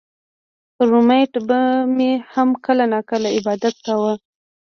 رومېټ به مې هم کله نا کله عبادت کوو